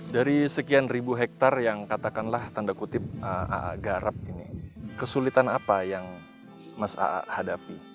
dari sekian ribu hektare yang katakanlah tanda kutip a a garap ini kesulitan apa yang mas a a hadapi